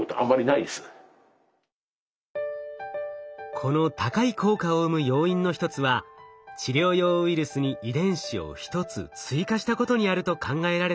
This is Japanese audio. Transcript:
この高い効果を生む要因の一つは治療用ウイルスに遺伝子を１つ追加したことにあると考えられています。